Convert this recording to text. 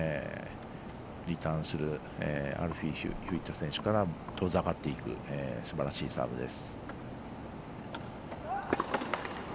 リターンするアルフィー・ヒューウェット選手から遠ざかっていくすばらしいサーブです。